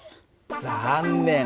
残念。